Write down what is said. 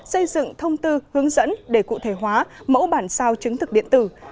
xây dựng thông tư hướng dẫn để cụ thể hóa mẫu bản sao chứng thực điện tử